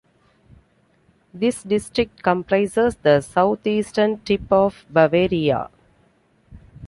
This district comprises the southeastern tip of Bavaria.